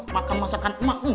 makan masakan emak